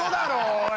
おい！